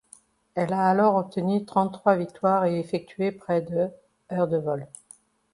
Elle a alors obtenu trente-trois victoires et effectué près de heures de vol.